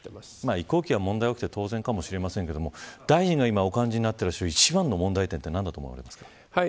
移行期は問題が起きて当然かもしれませんが大臣が感じている一番の問題点は何だと思いますか。